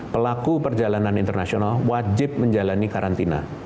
pelaku perjalanan internasional wajib menjalani karantina